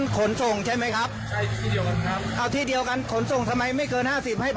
ขนส่งก็ใช้เครื่องวัดแบบไหนครับ